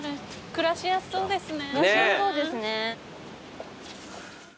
暮らしやすそうですね。